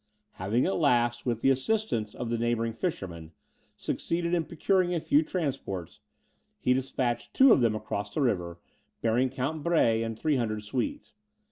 Having at last, with the assistance of the neighbouring fishermen, succeeded in procuring a few transports, he despatched two of them across the river, bearing Count Brahe and 300 Swedes.